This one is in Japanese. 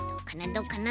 どうかな？